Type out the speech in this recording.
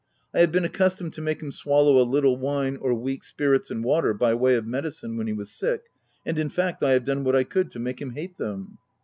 I have been accus tomed to make him swallow a little wine or weak spirits and water, by way of medicine when he was sick, and, in fact, I have done what I could to make him hate them."